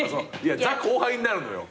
ザ後輩になるのよ。